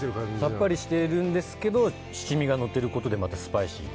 さっぱりしてるんですけど七味がのってることでまたスパイシー。